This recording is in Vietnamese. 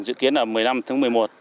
dự kiến là một mươi năm tháng một mươi một